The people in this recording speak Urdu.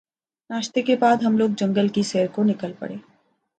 ناشتے کے بعد ہم لوگ جنگل کی سیر کو نکل پڑے